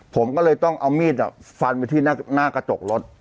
ผมก็เลยต้องเอามีดฟันไปที่หน้ากระจกรถ